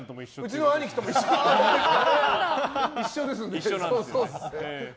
うちの兄貴とも一緒ですので。